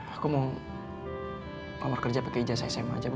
aku mau ngomong kerja pake ijazah sma aja bu